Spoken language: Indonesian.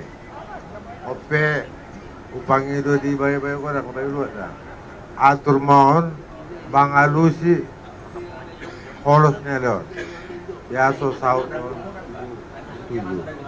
tapi upang hidup di bayi bayi kita aturman bangalusi olosnya ya sosial itu